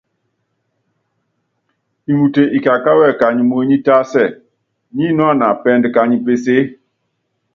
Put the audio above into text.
Iŋute ikakáwɛ kányi muenyí tásɛ, nínuána pɛɛndu kanyi pesèe.